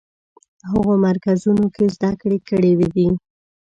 هغو مرکزونو کې زده کړې کړې دي.